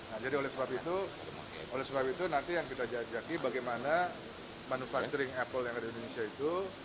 nah jadi oleh sebab itu oleh sebab itu nanti yang kita jajaki bagaimana manufacturing apple yang ada di indonesia itu